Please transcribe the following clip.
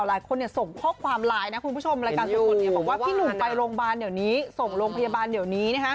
หลายคนส่งข้อความไลน์พี่หนุ่มไปโรงพยาบาลเดี๋ยวนี้